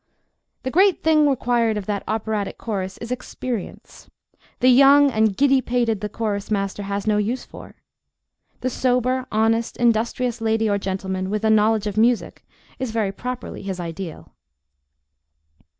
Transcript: The great thing required of that operatic chorus is experience. The young and giddy pated the chorus master has no use for. The sober, honest, industrious lady or gentleman, with a knowledge of music is very properly his ideal.